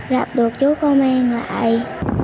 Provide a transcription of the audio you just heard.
gặp được chú con mang lại